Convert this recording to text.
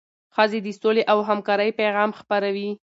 ښځې د سولې او همکارۍ پیغام خپروي.